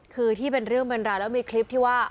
คือที่เป็นเรื่องเป็นราวแล้วมีคลิปที่ว่า